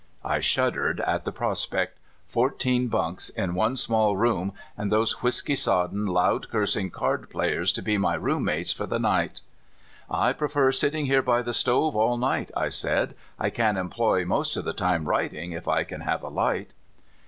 I shuddered at the prospect — fourteen bunks in one small room, and those whisk3 sodden, loud cursing card players to be my roommates for the night !" I prefer sitting here by the stove all night," I said; '' I can employ most of the time writing, if I can have a light."